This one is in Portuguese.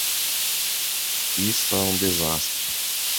Isso é um desastre.